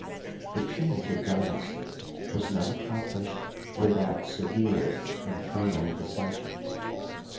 The change of dynasty was not accomplished without severe internal dissensions.